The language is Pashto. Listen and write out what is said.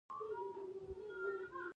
احمد بوخت دی؛ مه يې ښوروه.